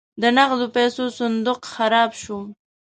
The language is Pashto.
د نغدو پیسو صندوق خراب شو.